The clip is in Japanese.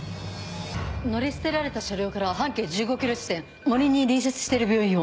乗り捨てられた車両から半径１５ｋｍ地点森に隣接している病院を。